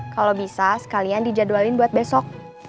kalau bisa sekalian dijadwalin buat besok